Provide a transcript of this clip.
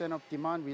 ya untuk permintaan